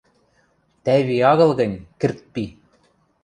— Тӓйви агыл гӹнь, кӹрт пи.